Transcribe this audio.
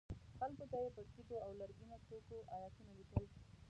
خلکو ته یې پر تیږو او لرګینو توکو ایتونه لیکل.